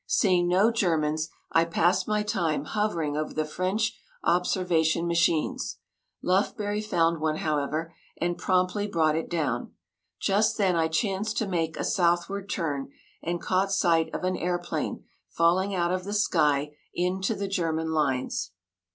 Seeing no Germans, I passed my time hovering over the French observation machines. Lufbery found one, however, and promptly brought it down. Just then I chanced to make a southward turn, and caught sight of an airplane falling out of the sky into the German lines.